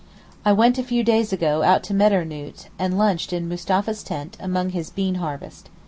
I went a few days ago out to Medarnoot, and lunched in Mustapha's tent, among his bean harvest.